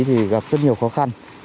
thì gặp rất nhiều khó khăn